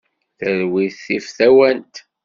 Talwit tif tawant.